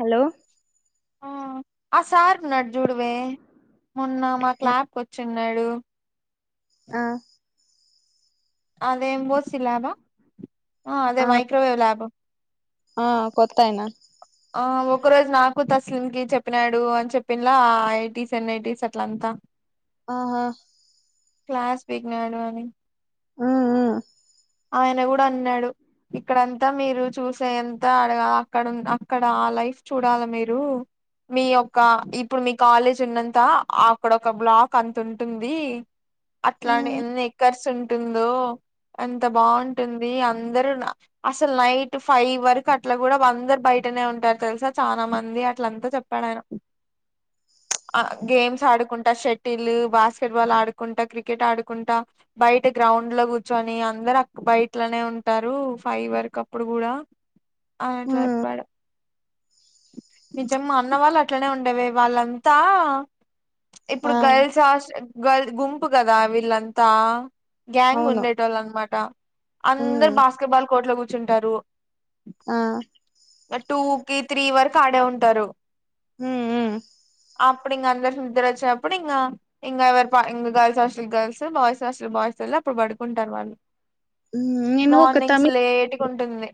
Hello ఆ sir ను అట్ జూడవే మొన్న మాక్ ల్యాబ్ కి వచ్చిన్నాడు ఆ అదే ఎంబోసి లాబా అదే మైక్్రోవేవ్ లాగ ఆ కొత్తాయనా ఆ ఒక రోజు నాకు తస్లిం కి చెప్పినాడు అని చెప్పిండ్లా ఏయ్టీస్ అండ్ నైన్టీస్ అట్లంతా ఓహో క్లాస్ పీకినాడు అని మ్మ్ ఆయన కూడా అన్నాడు ఇక్కడంతా మీరు చూసే ఎంత అడగా అక్కడ అక్కడ ఆ లైఫ్ చూడాలి మీరు మీ యొక్క ఇప్పుడు మీ కాలేజ్ ఉన్నంత అక్కడ ఒక బ్లాక్ అంత ఉంటుంది అట్లని ఎన్ని ఎక్కర్స్ ఉంటుందో ఎంత బాగుంటుంది అందరు అసలు నైట్ ఫైవ్ వరకు అట్లా కూడా అందరు బయటనే ఉంటారు తెలుసా చాలా మంది అట్లంతా చెప్పాడు ఆయన ఆ గేమ్స్ ఆడుకుంటా షటిల్, బాస్కెట్ బాల్ ఆడుకుంటా క్రికెట్ ఆడుకుంటా బయట గ రౌండ్ లో కూర్చొని అందరు అ బయట్ లోనే ఉంటారు ఫైవ్ వరకు అప్పుడు కూడా అని చెప్పాడు నిజం మా అన్న వాళ్ళు అట్లనే ఉండేవే వాళ్ళంతా ఇప్పుడు ఆ గర్ల్స్ హాస్టల్ ఆ గల్ గుంపు కదా వీళ్ళంతా గ్యాంగ్ అవును ఉండేటోళ్ళు అనమాట అందరు బాస్కెట్బాల్ కోర్ట్ లో కూర్చుంటారు ఆ బట్ టూ కి త్రీ వరకు ఆడే ఉంటారు మ్మ్ హ్మ్ అప్పుడు ఇంగ అందరు నిద్దర వచ్చేప్పుడు ఇంగ ఇంగ ఇ girls hostel girls boys hostel boys అప్పుడు పడుకుంటారు వాళ్ళు నేను ఒక మార్నింగ్స్ తమిళ్ లేట్గుంటుంది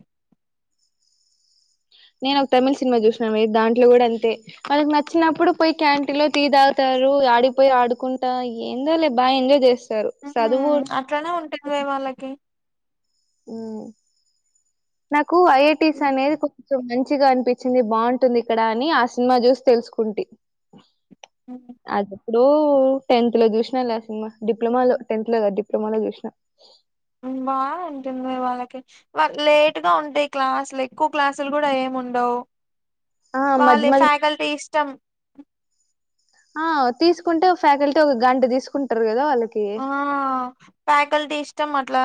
నేను ఒక తమిళ్ సినిమా చూసినా మే దాంట్లో కూడా అంతే వాళ్ళకి నచ్చినప్పుడు పోయి క్యాంటీన్ లో టీ తాగుతారు ఆడికిపోయి ఆడుకుంటా ఏందోలే బా ఎంజాయ్ చేస్తా రు చదువు మ్మ్ అట్లనే ఉంటుంది వాళ్ళకి నాకు ఐఐటిస్ అనేది కొంచెం మం చిగా అనిపించింది బాగుంటుంది ఇక్కడ అని ఆ సినిమా చూసి తెలుసుకుంటి ఉమ్, అదే ఇప్పుడు టెన్త్ లో చూసినా లేలా సినిమా డిప్లొమాలో టెన్త్ లో కాదు డిప్లొమాలో చూసినా బా ఉంటుంది వాళ్ళకి వాళ్ళకి లేట్ గా ఉంటాయి క్లాసులు ఎక్కువ క్లాసులు కూడా ఏం ఉండవ్ ఆ మధ్య వాళ్ల మధ్య ఫ్యాకల్టీ ఇష్టం ఆ తీసుకుంటే ఒక ఫ్యాకల్టీ ఒక గంట తీసుకుంటారు కదా వాళ్ళకి ఆ ఫ్యాకల్టీ ఇష్టం అట్లా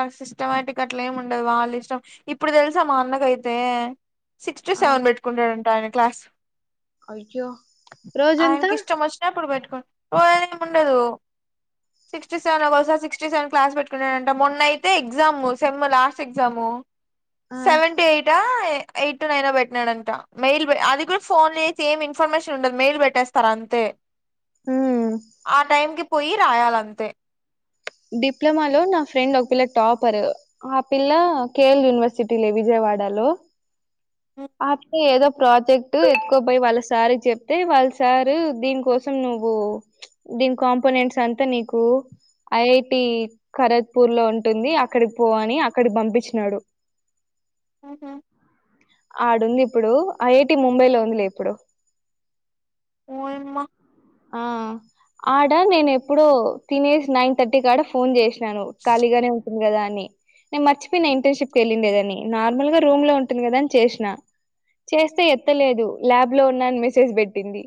ఆ సిస్టమటిక్గా అట్లా ఏమి ఉండదు వాళ్ళ ఇష్టం ఇప్పుడు తెలుసా మా అన్నకైతే సిక్స్ టు ఆ సెవెన్ పెట్టుకుంటాడంట ఆయన క్లాస్ అయ్యో రోజంతా ఆయనకి ఇష్టం వచ్చినప్పుడు పెట్టుకో ఓయేమి ఉండదు సిక్స్ టు సెవెన్ అవర్స్ ఒకకసారి సిక్స్టీ సెవెన్ క్లాస్ పెట్టుకున్నాంట మొన్న అయితే ఎగ్జాము సెమ్ లాస్ట్ ఎగ్జాము ఆ సెవెన్ టు ఎయిటా ఎయిట్ టు నైన్ పెట్టినాడంట మెయిల్ అది కూడా ఫోన్ లో చేసి ఏమి ఇన్ఫర్మేషన్ ఉండదు మెయిల్ పెట్టేస్తారు అంతే ఉమ్ ఆ టైంకిి పోయి రాయాలంతే డిప్లమా లో నా ఫ్రెండ్ ఒక పిల్ల టాపర్ ఆ పిల్ల కేఎల్ యూనివర్సిటీ లె విజయ వాడలో ఆటికి ఏదో ప్రాజెక్ట్ ఎత్తుకోపోయి వాళ్ళ సారికి చెప్తే వాళ్ళ సారు దీనికోసం నువ్వు దీని కాంపోనెంట్స్ అంతా నీకు ఐఐటి ఖరక్ పూర్ లో ఉంటుంది అక్కడికి పో అని అక్కడికి పంపించినాడు ఉహు ఆడుంది ఇప్పుడు ఐఐటి ముంబై లో ఉందిలే ఇప్పుడు ఓయమ్మ ఆ ఆడా నేను ఎప్పుడో తినేసి నైన్ థర్టీకి కాడ ఫోన్ చేస్ సాను ఖాళీగానే ఉంటుంది కదా అని నేను మర్చిపోయి ఇంటర్న్షిప్ కి వెళ్ళిండేదని నార్మల్ గా రూమ్ లో ఉంటుంది కదా అని చేసిన చేస్తే ఎత్తలేదు ల్యాబ్ లో ఉన్నా అని మెసేజ్ పెట్టింది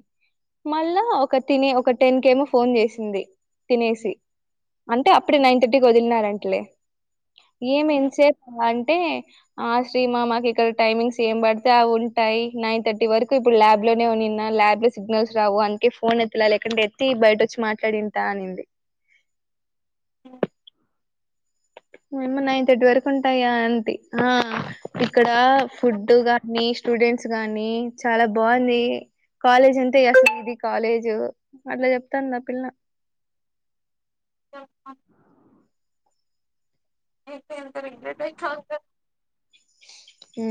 మళ్ళా ఒక తిని ఒక టెన్ కేమో ఫోన్ చేసింది తినేసి అంటే అప్పుడే నైన్ థర్టీకి వదిలినారంటలే ఏమి ఇంతసేప అంటే ఆ శ్రీ మా మాకిక్కడ టైమింగ్స్ ఏం పడితే అవి ఉంటాయి నైన్ థర్టీ వరకు ఇప్పుడు ల్యాబ్ లోనే ఉన్నిన ల్యాబ్ లో సిగ్నల్స్ రావు అందుకే ఫోన్ ఎత్తులా లేకంటే ఎత్తి బయట వచ్చి మాట్లాడింటా అనింది ఓ నియమ్మ నైన్ థర్టీ వరకు ఉంటాయా అంటి ఆ ఇక్కడ డ ఫుడ్ గాని స్టూడెంట్స్ గాని చాలా బాగుంది కాలేజ్ అంటే అసలు ఇది కాలేజ్ అట్లా చెప్తాంది ఆ పిల్ల చెప్ప ఐతే ఎంత రిగ్రెట్ అయితాందో ఊ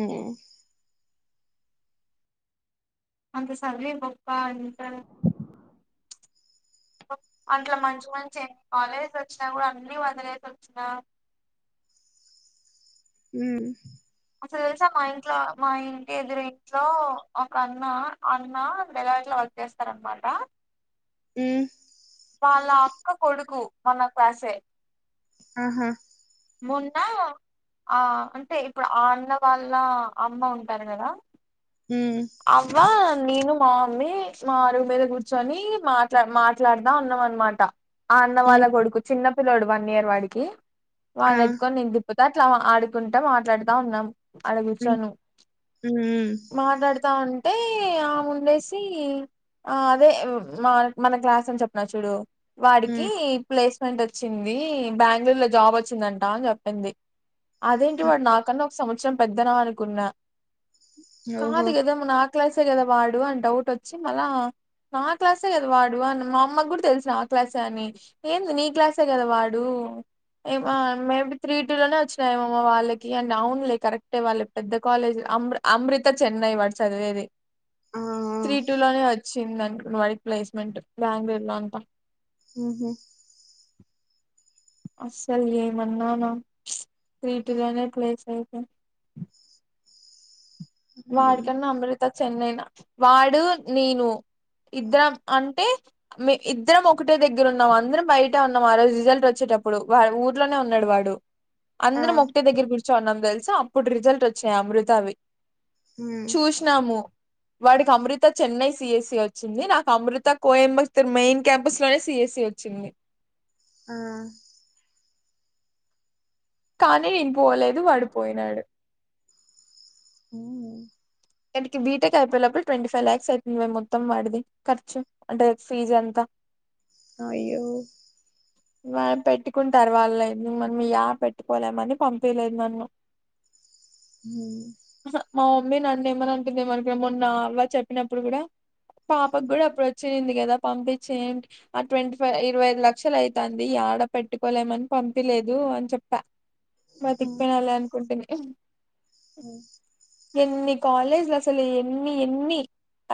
అంత సదివి గొప్ప అంటె అట్ల మంచి మంచి కాలేజి వచ్చినా కూడా అన్ని వదిలేసి వచ్చినా ఊ అసలు తెలుసా మా ఇంట్లో మా ఇంటి ఎదురు ఇంట్లో ఒక అన్న ఆ అన్న డెలాయిట్ లో వాల్ చేస్తారనమాట ఉ వాళ్ళ అక్క కొడుకు మన క్లాసే అహ మొన్నా ఆ అంటే ఇప్పుడు ఆ అన్న వాళ్ళ అమ్మ ఉంటారు కదా హ్మ్. అవ్వా నేను మా మమ్మీ మా అరువు మీద కూర్చొని మాట్లా మాట్లాడదా ఉన్నాం అనమాట ఆ అన్న వాళ్ళ హ్మ్. కొడుకు చిన్న పిల్లోడు వన్ ఇయర్ వాడికి ఆ! వాని ఎత్తుకొని నేను తిప్పుతా పోతే అట్లా ఆడుకుంటా మాట్లాడుతా ఉన్నాం ఆడ హ్మ్. కూచొని హ్మ్. మాట్లాడు అంటే ఆ ముండేసి ఆ అదే మన క్లాస్ అని చెప్పిన చూడు వాడికి హ్మ్. ప్లేస్మెంట్ ంట్ వచ్చింది బ్యాంగ్ళూరు లో జాబ్ వచ్చిందంట అని చెప్పింది అదేంటి హ్మ్. వాడు నాకన్నా సంవత్సరం పెద్దనా అనుకున్నా కాదు ఓహో కదా మా నా క్లాసే కదా వాడు అని డౌట్ వచ్చి మళ్ళ నా క్లాసే కదా వాడు అని మా అమ్మ కూడా తెలుసు ఆ క్లాసే అని ఏంది నీ క్లాసే కదా వాడు ఉ ఏ మేబీ త్రీ టూ లోనే వచ్చినాఏమో వాళ్ళకి అండ్ అవున్లే కరెక్టే వాళ్లు పెద్ద కాలేజ్ అమృ అమృత చెన్నై వాడు చదివేది ఆ! ఆ! త్రీ టూ లోనే వచ్చింది చింద వాడికి ప్లేస్మెంట్ బ్యాంగ్ళూర్ లో అంట ఉ హ్ అస్సలు ఏమన్నానా త్రీ టు లోనే ప్లేస్ అయితే హ్మ్. వాడికన్నా అమృత చెన్నైన వాడు నేను ఇద్దరం అంటే మే ఇద్దరం ఒకటే దగ్గర ఉన్నాం అందరం బయటే ఉన్నాం ఆ రోజు రిజల్ట్ వచ్చేటప్పుడు టప్పుడు వాడు ఊర్లోనే ఉన్నడు వాడు ఆ! అందరం ఒకటే దగ్గర కూర్చోని ఉన్నాం తెలుసా అప్పుడు రిజల్ట్ వచ్చాయి అమృతావి హ్మ్. చూసినాము వాడికి అమృత చెన్నై సిఎస్సి వచ్చింది నాకు అమృత కోయంబత్తూర్ మెయిన్ క్యాంపస్ లోనే సి సి యెస్ సి వచ్చింది ఆ కానీ నేను పోలేదు వాడు పోయినాడు హ ఇంతకి బీటెక్ అయిపోయేలోపల ట్వంటీఫైవ్ లాక్స్ అయి ఇంక మొత్తం వాడిది ఖర్చు అంటే ఫీజు అంత అయ్యొ పెట్టుకుంటారు వాళ్లే మనం యాడ పెట్టుకోలేమని పంపిలేదు నన్ను హ మా మమ్మీ నన్నేమన అంటుందేమో అనుకున్న మొన్న అవ్వ చెప్పినప్పుడు కూడా పాపకు కూడా అప్పుడు వచ్చింది కదా పంపించే ఏంటి ఆ ట్వంటీ ఫైవ్ ఇరవై ఐదు లక్షలు అయితాంది ఆడ పెట్టుకోలేమని పంపిలేదు అని చెప్పా హుహు. బతికిపోయినాంలే అనుకుంటుని ఎన్ని కాలేజీలు అసలు ఎన్ని ఎన్ని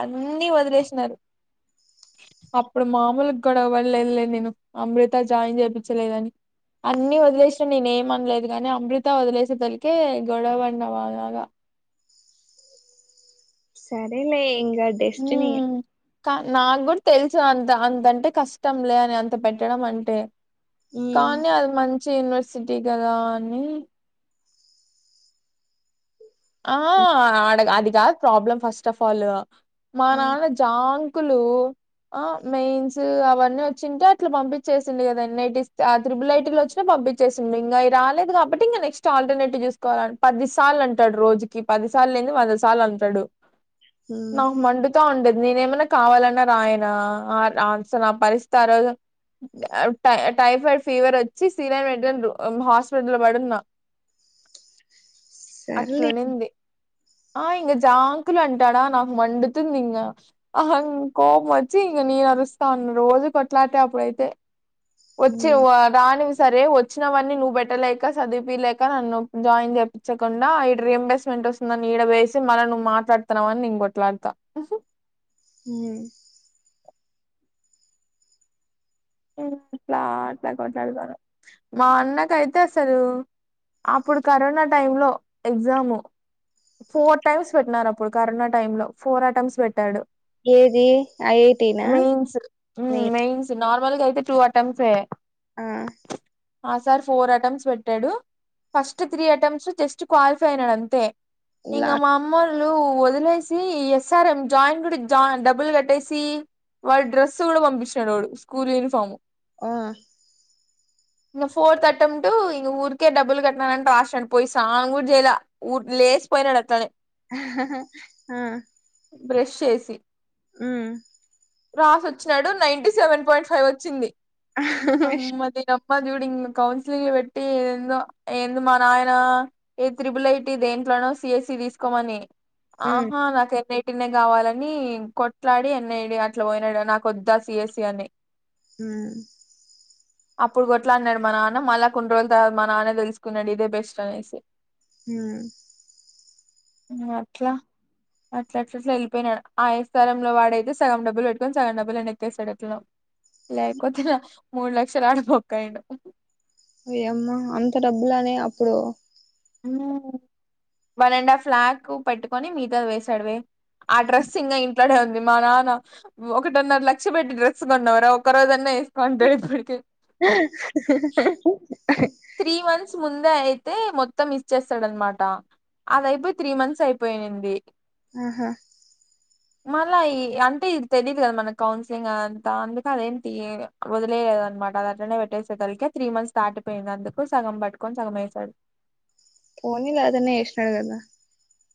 అన్ని వదిలేసినారు అప్పుడు మామూలుగ గొడవ పడలేదులే నేను అమృత జాయిన్ చేపిచలేదని అన్ని వదిలేసినా నేనే ఏమనలేదు గానీ అమృత వదిలేసే తలకే గొడవ పడిన బాగా సరేలే ఇంక డెస్టిని ఉమ్ కా నాకు కూడా తెలుసు అంత అంతంటే కష్టంలే అని అంత పెట్టడం అంటే హ్మ్. కానీ అది మంచి యూనివర్సిటీ కదా అని ఆ ఆడ అది కాదు ప్రాబ్లం ఫస్ట్ ఆఫ్ ఆల్ మా ఆ! నాన్న జాంగ్ కులు ఆ మెయిన్స్ అవన్నీ వచ్చింటే అట్లా పంపించేసింది కదా ఎన్ఐటి ఆ త్రిబుల్ ఐటీలో వచ్చినా పంబించేసుండే ఇంకా అవి రాలేదు కాబటి ఇంక నెక్స్ట్ ఆల్టర్నేటివ్ చసుకోవాలని పది సార్లు అంటే టాడు రోజుకి పది సార్లు ఎంది వంద సార్లు అంటాడు హ్మ్. నాకు మండుతా ఉండేది నేనేమన్న కావాలన్నా రాయనా అన్సలు నా పరిస్థితి ఆ రోజు టై టైఫాయిడ్ ఫీవర్ వచ్చి సీలైన్ పెట్టిన్రు నేను హాస్పిటల్లో పడున్న సర్లే. అట్లనింది ఆ ఇంగ జాంకులు అంటాడా నాకు మండుతుందింగ అసలు కోపమొచ్చి ఇక నేను అరుస్తాను రోజు కొట్లాటే అప్పుడైతే వచ్చి హ్మ్. రాని సరే వచ్చినవన్నీ నువ్వు బెట్టలేక చదివిపియ్యలేక నన్ను జాయిన్ చెపించకుండా ఈడ రీంబెస్మెంట్ వస్తుందని ఈడ వేసి మళ్ళ నువ్వు మాట్లాడుతున్నావా అని నేను కొట్లాడతా ఉమ్ అట్లా అట్లా కొట్లాడుతాన మా అన్నకయితే అసలు అప్పుడు కరోనా టైమ్ లో ఎగ్జాము ఫోర్ టైమ్స్ పెట్టినారు అప్పుడు కరోనా టైమ్ లో ఫోర్ అటెంప్ట్ పెట్టాడు ఏది ఐఐటీనా? మెయిన్స్ మీ మెయిన్స్ వాళ్ళకైతే టూ అటెంప్ట్సే ఆ ఆ సారరీ ఫోర్ అటెంప్ట్స్ పెట్టాడు first three attempts just qualify అయినాడు అంతే ఇంగ లా మా అమ్మోళ్ళు వదిలేసి ఎస్ఆర్ఎం జాయిన్ కూడా జా డబ్బులు కట్టేసి వాడు డ్రెస్సు కూడా పంపించినాడు స్కూల్ యూనిఫామ్ ఆ ఇక ఫోర్త్ అటెంప్ట్ ఇక ఊరికే డబ్బులు కట్టిననంట హాస్టల్ పోయి స్నానం కూడా చేయలా పోయినాను అట్లనే ఆ బ్రష్ చేసి ఉమ్ రాసి వచ్చినాడు నైన్టీ సెవెన్ పాయింట్ ఫైవ్ వచ్చింది అమ్మ దీన మ్మ చూడింగా కౌన్సిలింగ్ పెట్టి ఏందో ఏంది మా నాన ఏ త్రిబుల్ ఐ టి దేంట్లనో సిఎస్సి తీసుకోమని ఆహ హ్మ్. నాక ట్టినే కావాలని కొట్లాడి ఎన్ఐటి అట్ల పోయినాడు నాకొద్దా సిఎస్సి అని ఉమ్ అప్పుడు కొట్లాడినాడు మా నాన్న మళ్ళ కొన్ని రోజుల తర్వాత మా నాన్న తెలుసుకున్నడు ఇదే బెస్ట్ అనేసి ఉమ్ అట్లా అట్లా అట్ అట్లా వెళ్ళిపోయినాడు ఆ ఎస్ ఆర్ లో వాడైతే సగం డబ్బులు పెట్టుకొని సగం డబ్బులు ఎనక్కేస్తడు ఎట్లనో లేకపోతే నా మూడు లక్షలు ఆడ బొక్కైయుండు ఓయమ్మా అంత డబ్బులానే అప్పుడు ఉమ్ వన్ అండ్ హాఫ్ లాక్ పెట్టుకొని మిగతాది వేసాడువే ఆ డ్రెస్ ఇంగ ఇం ట్లనే ఉంది మా నాన్న ఒకటిన్నర లక్ష పెట్టి డ్రెస్ కొన్నవుర ఒక్క రోజన్న ఏస్ త్రీ వన్ ముందే అయితే మొత్తం మిస్ చేస్తాడనమాట అదయిపోయి త్రీ మంత్స్ అయిపోయింది ఆహా మళ్ళీ అంటే ఇది తెలీదు కదా మన కౌన్సిలింగ్ అంతా అందుక అదేంటి వదిలలేదు అనమాట అట్లనే పెట్టేసే సరికి త్రీ మంత్స్ దాటిపోయింది అందుకె సగం పటుకొని సగం వేసాడు పోనీ అదన్న చేసినాడు కదా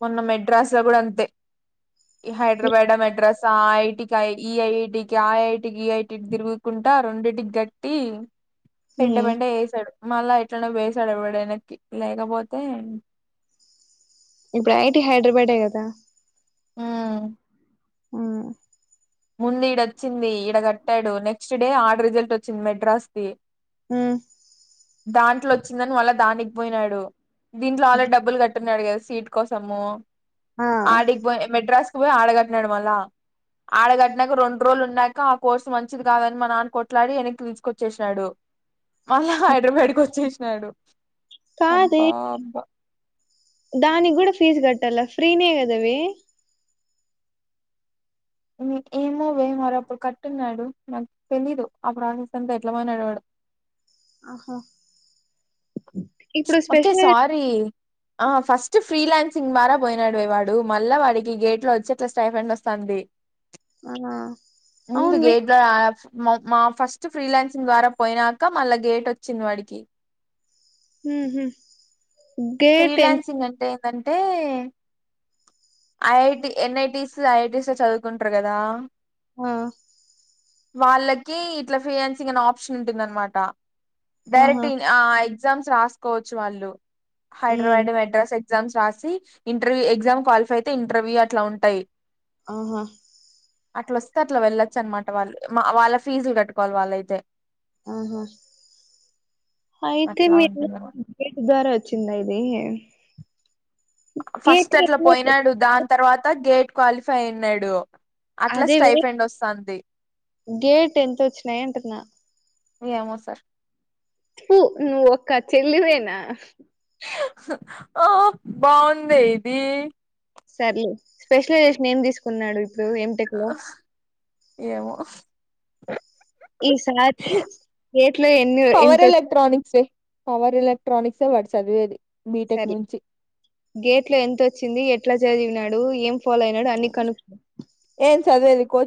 మొన్న మెడ్రాస్ లో కూడా అంతే ఈ హైదరాబాద్ ల మెడ్రాస్ ఆ ఐటీకి ఈ ఐటికి ఆ ఐటీకి ఈ ఐటీకి తిరుగుకుంటా రొండిటికి గట్టి పెంట హ్మ్ పెంట చేసాడు మళ్ళా ఎట్లనే వేసడు వెనకీ లేకపోతే ఇప్పుడు ఐటి హైదరాబాదే కదా ఉమ్, ఆ ముందు ఇడ వచ్చింది ఇడ కట్టాడు నెక్స్ట్ డే ఆడ రిజల్ట్ వచ్చింది మెడ్రాస్ కి హ దాంట్లో వచ్చిందని మళ్ళా దానికి పోయినాడు దీంట్లో ఆల్రేడీ డబ్బులు కట్టున్నాడు కదా సీట్ కోసము ఆ ఆడికి పోయి మెడ్రాస్కి పోయి ఆడగట్టినాడు మళ్ళా ఆడగట్నకు రెండు రోజులు ఉన్నాక ఆ కోర్సు మంచిది కాదని మా నాన్న కొట్లాడి వెనక్కి తీసుకొచ్చేసాడు మళ్ళా హైదరాబాదు కి వచ్చేసినాడు కాదే అబ్బా అబ్బా దానికి కూడా ఫీజు కట్టల ఫ్రీనే కదా వే ఏమో వే మరో అప్పుడు కట్టున్నాడు నాకు తెలీదు ఆ ప్రాసెస్ అంతా ఎట్లా మనడువాడు ఆహ ఓకే సారీ ఆ ఫస్ట్ ఫ్రీలాన్సింగ్ ద్వారా పోయినాడువే వాడు మళ్ళా వాడికి గేట్ లో వచ్చి అట్లా స్టైఫెండ్ వస్తుంది ఆ ముందు అవునువే గేట్ ద మా ఫస్ట్ ఫ్రీలాన్సింగ్ ద్వారా పోయినాక మళ్ళా గేటు ఓచ్చింది వాడికి ఉ హు ఫ్రీలాన్సింగ్ అంటే ఏంటంటే ఐఐటి ఎన్ఐటిస్ ఐఐటిస్ చదువుకుంటారు కదా ఆ వాళ్ళకి ఇట్లా ఫీయాన్సింగ్ అనే ఆప్షన్ ఉంటుంది అనమాట డైరెక్ట్ ఆహా ఎగ్జామ్స్ రాసుకోవచ్చు వాళ్ళు ఉమ్ హైదరాబాద్ మెడ్రాస్ ఎగ్జామ్స్ రాసి ఇంటర్వ్యూ ఎగ్జామ్ క్వాలిఫై అయితే ఇంటర్వ్యూ అట్లా ఉంటాయి ఆహ అట్లా వస్తే అట్లా వెళ్ళొచ్చు అన్నమాట వాళ్ళు మా వాళ్ళ ఫీజులు కట్టుకోవాలి వాళ్ళయితే ఆహా ఆయితే అట్లా మీరు ఉంటుందనమాట [unintelligible] ద్వారా వచింద ఇది గేట్ ఫస్ట్ అట్లా పోయినాడు దాని తర్వాత గేట్ క్వాలిఫై అయినాడు అట్లా అదే స్టైఫెండ్ వస్తుంది గేట్ ఎంత వచ్చినాయి అంటున్నా ఎమో సార్ తు నువ్ ఒక్క చెల్లివేనా ఆ బాగుందే ఇది సర్లే స్పెషలైజేషన్ ఏం తీసుకున్నాడు ఇప్పుడు ఎంటెక్ లో ఏమో ఈసారి రేట్లో ఎన్న పవర్ ఎంత ఎలక్ట్రానిక్స్ పవర్ ఎలక్ట్రనిక్స్ వాడు చదివేది బీటెక్ సరే నుంచి గేట్ లో ఎంతొచ్చింది ఎట్లా చదివినాడు ఏం ఫాలో అయినాడు అన్ని కనుకో ఏం చదివేది కోచింగ్